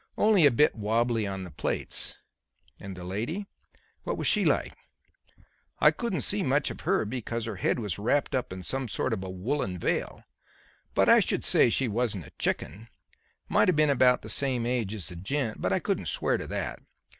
Only a bit wobbly on the plates." "And the lady; what was she like?" "I couldn't see much of her because her head was wrapped up in a sort of woollen veil. But I should say she wasn't a chicken. Might have been about the same age as the gent, but I couldn't swear to that.